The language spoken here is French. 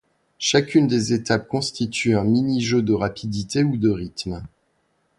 Chacune des étapes constitue un mini-jeu de rapidité ou de rythme.